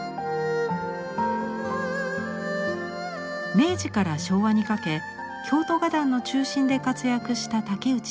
明治から昭和にかけ京都画壇の中心で活躍した竹内栖鳳。